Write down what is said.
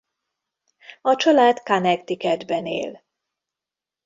A család Connecticutben él.